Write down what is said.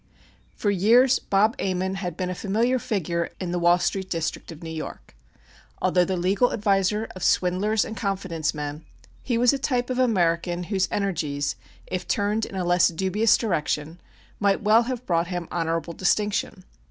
For years "Bob" Ammon had been a familiar figure in the Wall Street district of New York. Although the legal adviser of swindlers and confidence men, he was a type of American whose energies, if turned in a less dubious direction, might well have brought him honorable distinction.